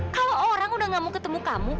kalau orang udah gak mau ketemu kamu